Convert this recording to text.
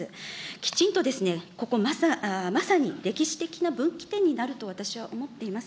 きちんとここ、まさに歴史的な分岐点になると私は思っています。